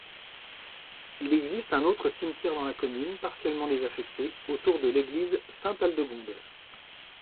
Il existe un autre cimetière dans la commune, partiellement désaffecté, autour de l'église Sainte-Aldegonde.